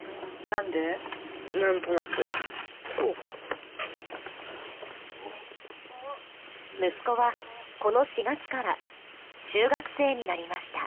何となくこうか息子はこの４月から中学生になりました